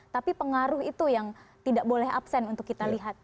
tapi pengaruh itu yang tidak boleh absen untuk kita lihat